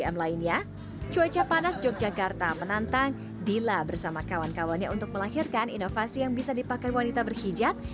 di dalam lainnya cuaca panas yogyakarta menantang dila bersama kawan kawannya untuk melahirkan inovasi yang bisa dipakai wanita berhijab